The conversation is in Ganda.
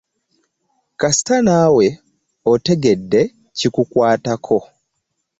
Kasita naawe otegedde kikukwatako.